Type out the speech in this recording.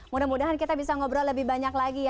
mudah mudahan kita bisa ngobrol lebih banyak lagi ya